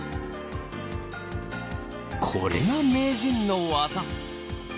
これが名人の技。